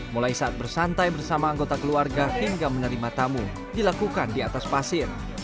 mulai saat bersantai bersama anggota keluarga hingga menerima tamu dilakukan di atas pasir